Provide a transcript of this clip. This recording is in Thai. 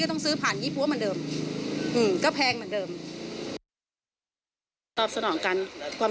ต้องทำอย่างไรคะ